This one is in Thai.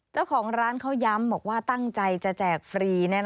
เจ้าของร้านเขาย้ำบอกว่าตั้งใจจะแจกฟรี